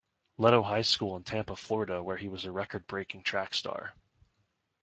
Leto High School in Tampa, Florida where he was a record-breaking track star.